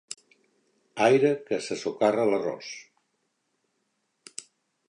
Aire, que se socarra l'arròs!